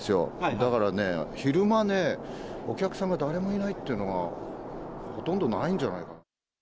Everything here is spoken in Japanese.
だからね、昼間ね、お客さんが誰もいないというのは、ほとんどないんじゃないかな。